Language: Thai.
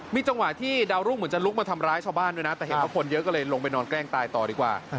มีจังหวะที่ดาวรุ่งเหมือนจะลุกมาทำร้ายชาวบ้านด้วยนะแต่เห็นว่าคนเยอะก็เลยลงไปนอนแกล้งตายต่อดีกว่า